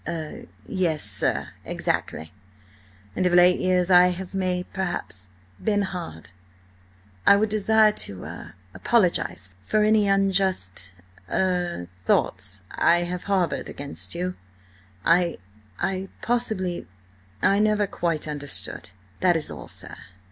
"Er–yes, sir, exactly!–and of late years I may, perhaps, have been hard. I would desire to–er–apologise for any unjust–er–thoughts I may have harboured against you. I–I–possibly, I never quite understood. That is all, sir."